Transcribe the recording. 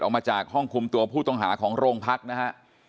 ออกมาจากห้องคุมตัวผู้ต้องหาของโรงพักนะฮะ